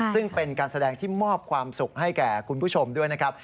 ซึ่งเป็นการแสดงที่มอบความสุขให้แก่คุณผู้ชมด้วยนะครับ